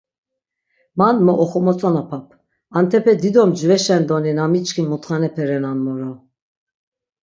Man mo oxomotzonapap, antepe dido mcveşen doni na miçkin mutxanepe renan moro.